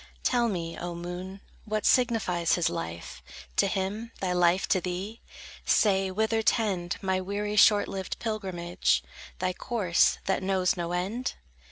Tell me, O moon, what signifies his life To him, thy life to thee? Say, whither tend My weary, short lived pilgrimage, Thy course, that knows no end?